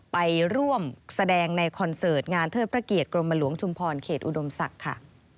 ไปร่วมแสดงในคอนเสิร์ตงานเทิดพระเกียรติกรมหลวงชุมพรเขตอุดมศักดิ์ค่ะ